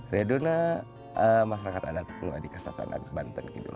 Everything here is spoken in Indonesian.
saya doa masyarakat anak anak di kesehatan dan kebantuan hidup